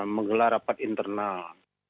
menggelar rapat internal